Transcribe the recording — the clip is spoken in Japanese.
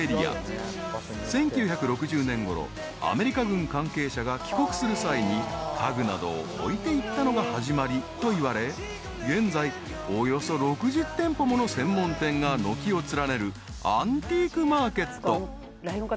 ［１９６０年ごろアメリカ軍関係者が帰国する際に家具などを置いていったのが始まりといわれ現在およそ６０店舗もの専門店が軒を連ねるアンティークマーケット］